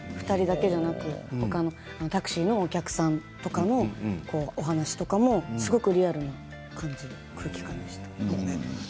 ２人だけじゃなくタクシーのお客さんとかもお話とかもすごくリアルな感じの空気感でした。